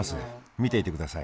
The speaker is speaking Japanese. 見ていてください。